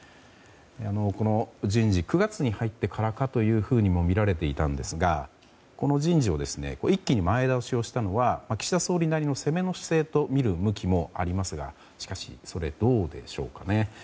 この人事、９月に入ってからかというふうにもみられていたんですがこの人事を一気に前倒ししたのは岸田総理なりの攻めの姿勢と見る向きもありますがしかしそれはどうでしょうかね。